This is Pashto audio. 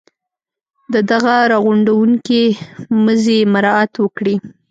د دغه را غونډوونکي مزي مراعات وکړي.